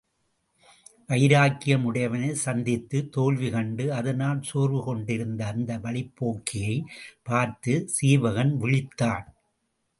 வைராக்கியம் உடையவனைச் சந்தித்துத் தோல்வி கண்டு அதனால் சோர்வு கொண்டிருந்த அந்த வழிப்போக்கியைப் பார்த்துச் சீவகன் விளித்தான்.